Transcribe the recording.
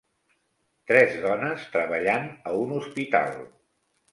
Tres dones treballant a un hospital.